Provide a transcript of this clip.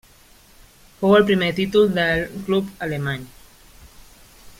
Fou el primer títol del club alemany.